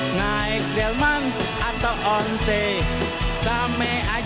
dan gak jaman nonton film